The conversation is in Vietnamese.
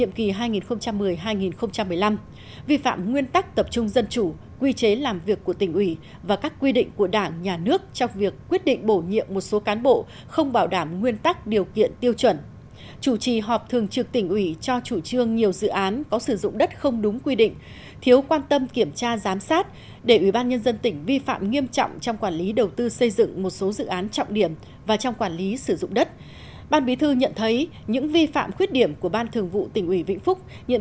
b vi phạm nguyên tắc tập trung dân chủ các quy định của đảng nhà nước về công tác tổ chức cán bộ không bảo đảm tiêu chuẩn điều kiện theo quy định có biểu hiện cuộc bộ yêu ái không bảo đảm tiêu chuẩn